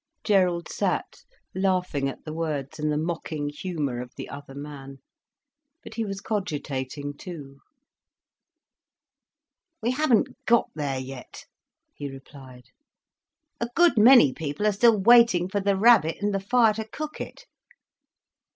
Gerald sat laughing at the words and the mocking humour of the other man. But he was cogitating too. "We haven't got there yet," he replied. "A good many people are still waiting for the rabbit and the fire to cook it."